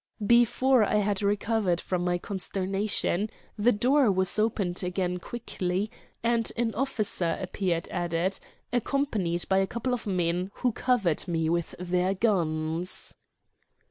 Before I had recovered from my consternation the door was opened again quickly, and an officer appeared at it, accompanied by a couple of men, who covered me with their guns.